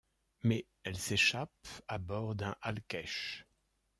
Mais elle s'échappe à bord d'un al'kesh.